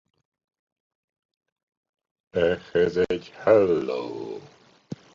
Ehhez egy Hallow!